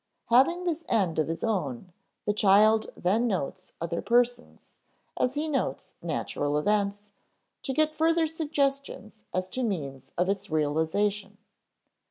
Having this end of his own, the child then notes other persons, as he notes natural events, to get further suggestions as to means of its realization.